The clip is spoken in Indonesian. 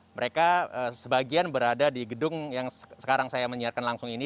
mereka sebagian berada di gedung yang sekarang saya menyiarkan langsung ini